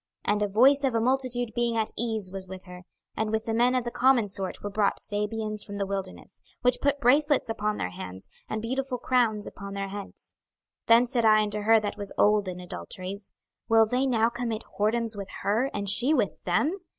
26:023:042 And a voice of a multitude being at ease was with her: and with the men of the common sort were brought Sabeans from the wilderness, which put bracelets upon their hands, and beautiful crowns upon their heads. 26:023:043 Then said I unto her that was old in adulteries, Will they now commit whoredoms with her, and she with them?